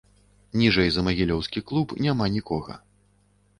Ніжэй за магілёўскі клуб няма нікога.